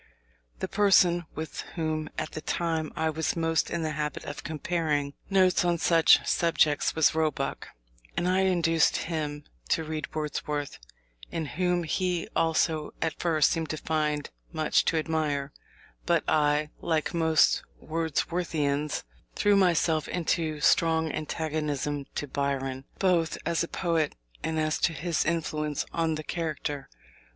The person with whom at that time I was most in the habit of comparing notes on such subjects was Roebuck, and I induced him to read Wordsworth, in whom he also at first seemed to find much to admire: but I, like most Wordsworthians, threw myself into strong antagonism to Byron, both as a poet and as to his influence on the character.